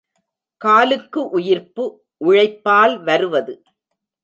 காலுக்கு உயிர்ப்பு உழைப்பால் வருவது.